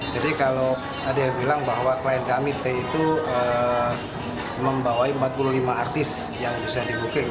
kalau ada yang bilang bahwa klien kami t itu membawai empat puluh lima artis yang bisa di booking